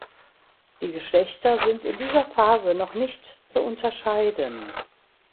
Die Geschlechter sind in dieser Phase noch nicht zu unterscheiden.